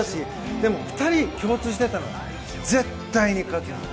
でも、２人共通してたのは絶対に勝つ。